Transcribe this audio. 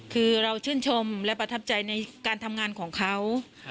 คือเราชื่นชมและประทับใจในการทำงานของเขา